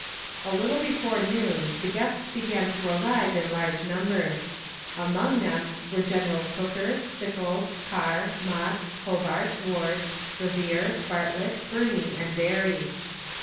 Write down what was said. A little before noon the guests began to arrive in large numbers. Among them were Generals Hooker, Sickles, Carr, Mott, Hobart, Ward, Revere, Bartlett, Birney, and Berry.